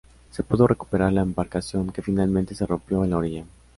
Se pudo recuperar la embarcación, que finalmente se rompió en la orilla.